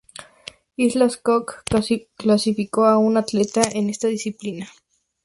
Islas Cook clasificó a un atleta en esta disciplina.